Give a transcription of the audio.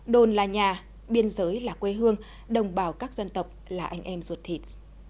đồn là nhà biên giới là quê hương đồng bào các dân tộc là anh em ruột thịt